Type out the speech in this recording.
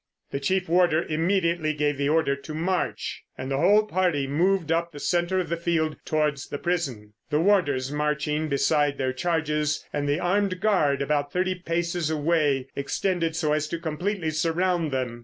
The chief warder immediately gave the order to march, and the whole party moved up the centre of the field towards the prison, the warders marching beside their charges and the armed guard about thirty paces away extended so as to completely surround them.